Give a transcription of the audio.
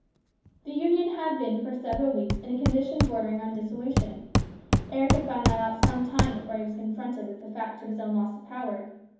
The Union had been for several weeks in a condition bordering on dissolution. Eric had found that out some time before he was confronted with the fact of his own loss of power.